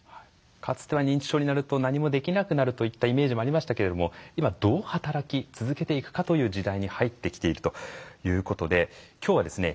かつては認知症になると何もできなくなるといったイメージもありましたけれども今どう働き続けていくかという時代に入ってきているということで今日はですね